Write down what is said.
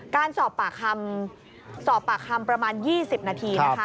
การสอบปากคำประมาณ๒๐นาที